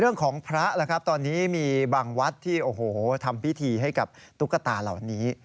เรื่องของพระล่ะครับตอนนี้มีบางวัดที่ทำพิธีให้กับตุ๊กตาเหล่านี้